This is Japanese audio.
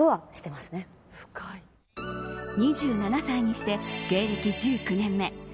２７歳にして、芸歴１９年目。